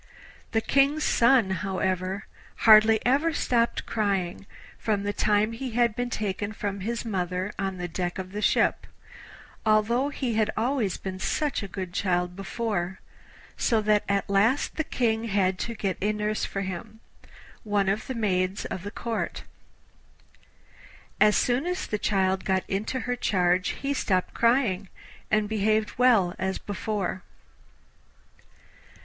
The King's son, however, hardly ever stopped crying from the time he had been taken from his mother on the deck of the ship, although he had always been such a good child before, so that at last the King had to get a nurse for him one of the maids of the Court. As soon as the child got into her charge he stopped crying, and behaved well as before.